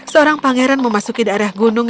seorang pangeran memasuki daerah gunung